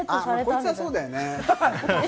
こいつはそうだよね。